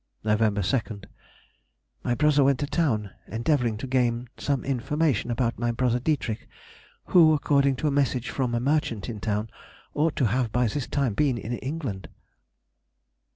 Nov. 2nd.—My brother went to town, endeavouring to gain some information about my brother Dietrich, who, according to a message from a merchant in town, ought to have by this time been in England.